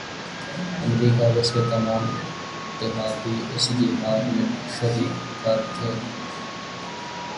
امریکہ اور اس کے تمام اتحادی اس جہاد میں شریک کار تھے۔